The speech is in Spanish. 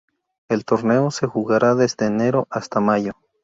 El torneo se jugará desde enero hasta mayo.